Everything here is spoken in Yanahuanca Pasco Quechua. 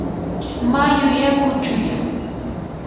mayu yaku chuyam.